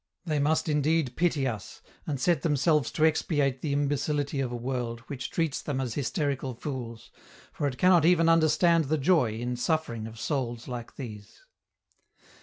They must indeed pity us, and set themselves to expiate the imbecility of a world which treats them as hysterical fools, for it cannot even understand the joy in suffering of souls like these.